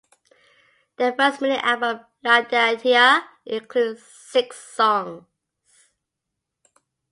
Their first mini album "Ladiatia" includes six songs.